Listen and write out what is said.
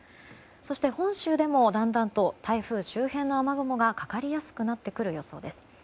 そして本州でもだんだんと台風周辺の雨雲がかかりやすくなってくる予想です。